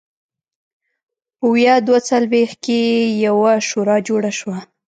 په ویا دوه څلوېښت کې یوه شورا جوړه شوه.